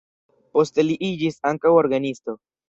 Poste li iĝis ankaŭ orgenisto.